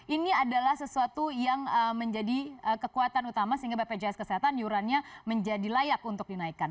ini adalah sesuatu yang menjadi kekuatan utama sehingga bpjs kesehatan yurannya menjadi layak untuk dinaikkan